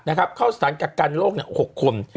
นะครับเข้าสถานกัดการณ์โลกเนี่ย๖คมอืม